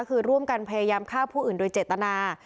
คือร่วมกันพยายามฆ่าผู้อื่นโดยเจตนา